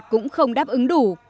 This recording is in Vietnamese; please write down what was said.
cũng không đáp ứng đủ